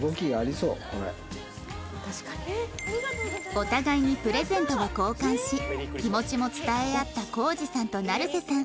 お互いにプレゼントを交換し気持ちも伝えあったコージさんと成瀬さん